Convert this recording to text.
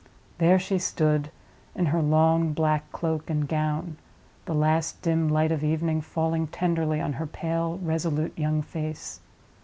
There she stood, in her long black cloak and gown, the last dim light of evening falling tenderly on her pale, resolute young face.